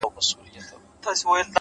o ددې ښـــــار څــــو ليونـيـو ـ